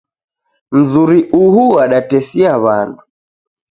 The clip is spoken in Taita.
Mzuri uhuu wadatesia wandu.